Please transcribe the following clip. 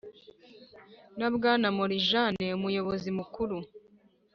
na bwana morjane, umuyobozi mukuru